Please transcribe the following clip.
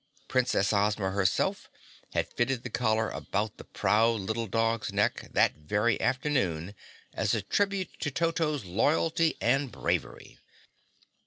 Princess Ozma, herself, had fitted the collar about the proud little dog's neck that very afternoon as a tribute to Toto's loyalty and bravery.